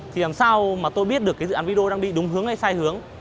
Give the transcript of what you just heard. thì làm sao mà tôi biết được cái dự án video đang đi đúng hướng hay sai hướng